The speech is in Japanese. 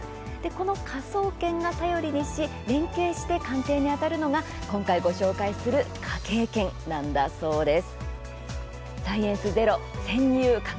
この科捜研が頼りにし連携して鑑定にあたるのが今回ご紹介する科警研なんだそうです。